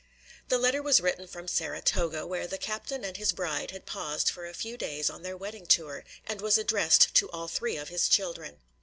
The letter was written from Saratoga, where the captain and his bride had paused for a few days on their wedding tour, and was addressed to all three of his children.